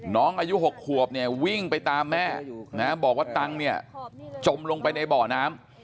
น้องอายุ๖ขวบวิ่งไปตามแม่บอกว่าตังจมลงไปในเบาะน้ำ